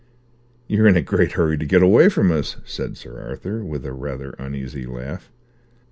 "You're in a great hurry to get away from us," said Sir Arthur, with a rather uneasy laugh.